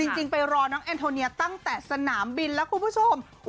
จริงไปรอน้องแอนโทเนียตั้งแต่สนามบินแล้วคุณผู้ชม